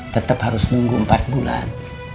tetap harus nunggu empat bulan